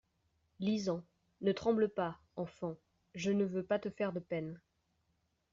Lisant. "Ne tremble pas, enfant, je ne veux pas te faire de peine.